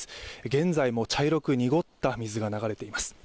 現在も茶色く濁った水が流れています。